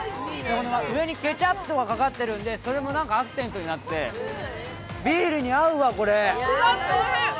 上にケチャップとかもかかってるんでそれもアクセントになってビールに合うわ、これ。